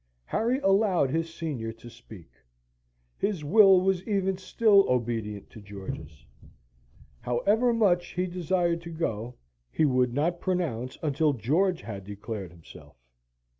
Harry allowed his senior to speak. His will was even still obedient to George's. However much he desired to go, he would not pronounce until George had declared himself.